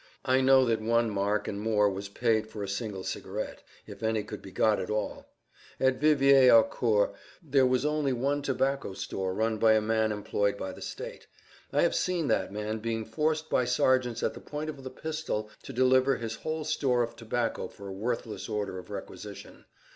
I know that one mark and more was paid for a single cigarette, if any could be got at all. At Vivier au Court there was only one tobacco store run by a man employed by the state. I have seen that man being forced by sergeants at the point of the pistol to deliver his whole store of tobacco for a worthless order of requisition.